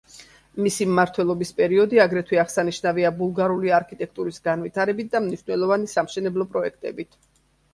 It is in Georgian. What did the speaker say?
მისი მმართველობის პერიოდი აგრეთვე აღსანიშნავია ბულგარული არქიტექტურის განვითარებით და მნიშვნელოვანი სამშენებლო პროექტებით.